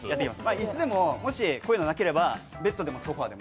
椅子でももしこういうのがなければ、ベッドでもソファーでも。